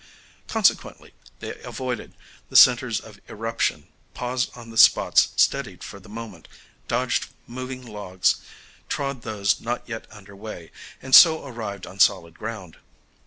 Consequently they avoided the centres of eruption, paused on the spots steadied for the moment, dodged moving logs, trod those not yet under way, and so arrived on solid ground.